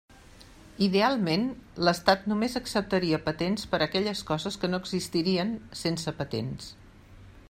Idealment, l'estat només acceptaria patents per a aquelles coses que no existirien sense patents.